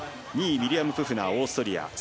２位、ミリアム・プフナーオーストリア。